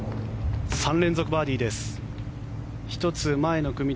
３連続バーディーです。